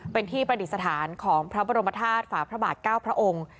เป็นที่ประดิษฐานของพระบรมธาตุฝาพระบาท๙พระองค์